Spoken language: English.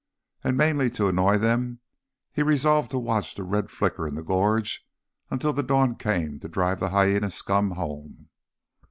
And mainly to annoy them, he resolved to watch the red flicker in the gorge until the dawn came to drive the hyæna scum home.